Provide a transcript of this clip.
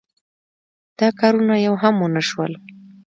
دا کارونه یو هم ونشول.